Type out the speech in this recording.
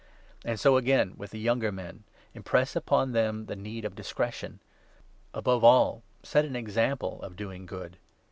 And so again with the younger men— impress upon them the 6 need of discretion. Above all, set an example of doing good.